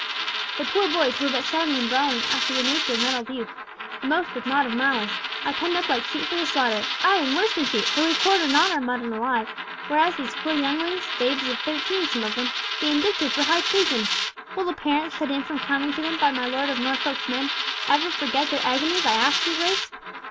The poor boys, who were but shouting and brawling after the nature of mettled youth—the most with nought of malice—are penned up like sheep for the slaughter—ay, and worse than sheep, for we quarter not our mutton alive, whereas these poor younglings—babes of thirteen, some of them—be indicted for high treason! Will the parents, shut in from coming to them by my Lord of Norfolk's men, ever forget their agonies, I ask your Grace?"